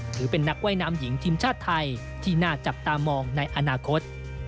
ถือเป็นนักว่ายน้ำหญิงทีมชาติไทยที่น่าจับตามองในอนาคต